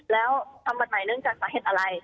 แล้วทำบัตรใหม่เนื่องจากสาเหตุอะไร